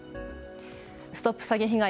ＳＴＯＰ詐欺被害！